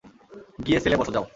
গিয়ে সেলে বসো, যাও।